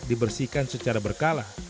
dibersihkan secara berkala